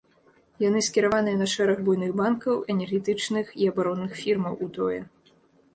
Яны скіраваныя на шэраг буйных банкаў, энергетычных і абаронных фірмаў у тое.